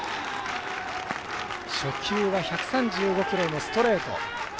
初球は１３５キロのストレート。